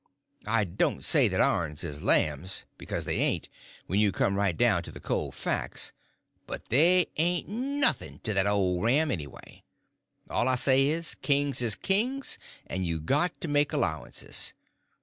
I don't say that ourn is lambs, because they ain't, when you come right down to the cold facts; but they ain't nothing to that old ram, anyway. All I say is, kings is kings, and you got to make allowances.